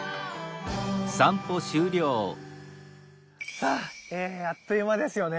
さああっという間ですよね。